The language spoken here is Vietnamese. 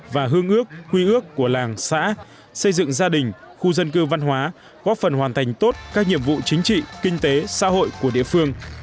và hương ước quy ước của làng xã xây dựng gia đình khu dân cư văn hóa góp phần hoàn thành tốt các nhiệm vụ chính trị kinh tế xã hội của địa phương